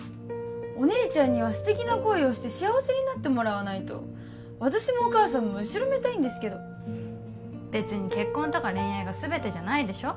お姉ちゃんには素敵な恋をして幸せになってもらわないと私もお母さんも後ろめたいんですけど別に結婚とか恋愛が全てじゃないでしょ